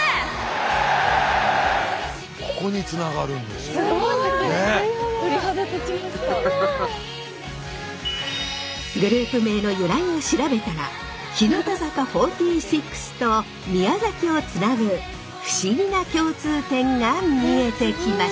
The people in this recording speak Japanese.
すごい！グループ名の由来を調べたら日向坂４６と宮崎をつなぐ不思議な共通点が見えてきました！